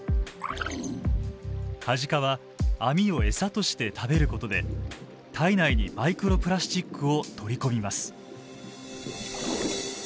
カジカはアミを餌として食べることで体内にマイクロプラスチックを取り込みます。